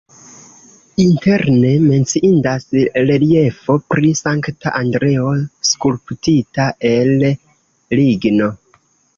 Interne menciindas reliefo pri Sankta Andreo skulptita el ligno.